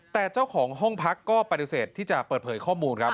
แต่เจ้าของห้องพักก็ปฏิเสธที่จะเปิดเผยข้อมูลครับ